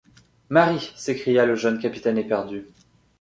Mary! s’écria le jeune capitaine éperdu.